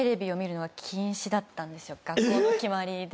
学校の決まりで。